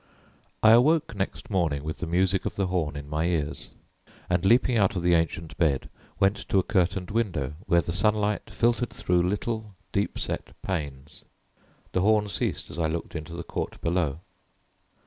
II I awoke next morning with the music of the horn in my ears, and leaping out of the ancient bed, went to a curtained window where the sunlight filtered through little deep set panes. The horn ceased as I looked into the court below.